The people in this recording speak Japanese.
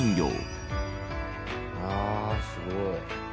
「ああすごい」